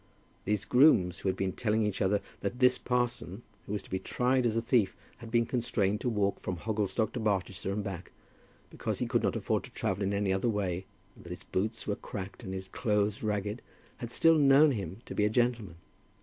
These grooms, who had been telling each other that this parson, who was to be tried as a thief, had been constrained to walk from Hogglestock to Barchester and back, because he could not afford to travel in any other way, and that his boots were cracked and his clothes ragged, had still known him to be a gentleman!